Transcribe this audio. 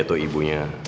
dia tuh ibunya